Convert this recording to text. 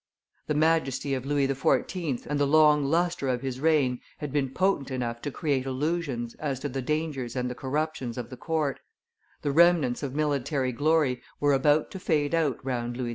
The majesty of Louis XIV. and the long lustre of his reign had been potent enough to create illusions as to the dangers and the corruptions of the court; the remnants of military glory were about to fade out round Louis XV.